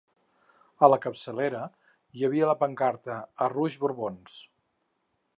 A la capçalera hi havia la pancarta ‘Arruix Borbons’.